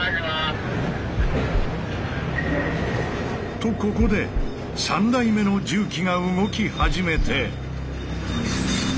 とここで３台目の重機が動き始めて。